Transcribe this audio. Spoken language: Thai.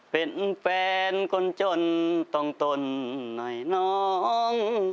เป็นแฟนคนจนต้องตนหน่อยน้อง